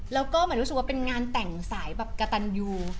แล้วก็เหมือนรู้สึกว่าเป็นงานแต่งสายแบบกระตันยู